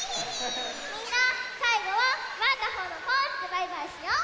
みんなさいごはワンダホーのポーズでバイバイしよう！